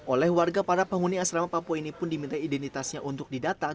oleh warga para penghuni asrama papua ini pun diminta identitasnya untuk didata